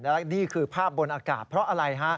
และนี่คือภาพบนอากาศเพราะอะไรฮะ